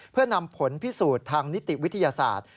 เพื่อนำผลพิสูจน์ทางนิติวิทยาศาสตร์